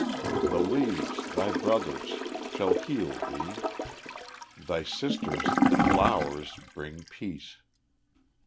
The leaves, thy brothers, shall heal thee; thy sisters, the flowers, bring peace."